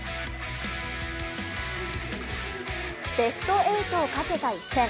ベスト８をかけた一戦。